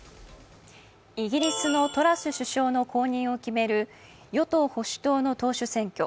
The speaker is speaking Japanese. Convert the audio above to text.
イギリスのトラス首相の後任を決める与党・保守党の党首選挙。